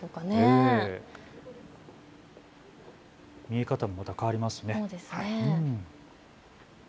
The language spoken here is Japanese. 見え方もまた変わりますね。